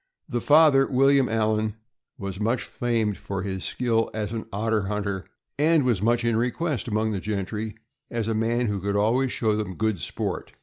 The father, William Allan, was much famed for his skill as an otter hunter, and was much in request among the gentry as a man who could always show them good sport.